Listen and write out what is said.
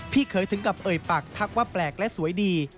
เคยถึงกับเอ่ยปากทักว่าแปลกและสวยดี